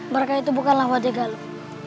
baraka itu bukanlah wadah galuk